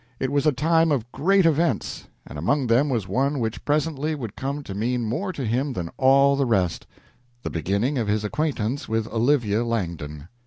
It was a time of great events, and among them was one which presently would come to mean more to him than all the rest the beginning of his acquaintance with Olivia Langdon.